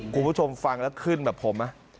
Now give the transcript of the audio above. คุณผู้ชมฟังแล้วขึ้นแบบผม